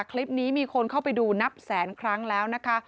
คลิปนี้มีคนเข้าไปดูนับแสนครั้งแล้วนะคะ